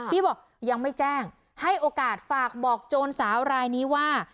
พี่บอกยังไม่แจ้งให้โอกาสฝากบอกโจรสาวรายนี้ว่า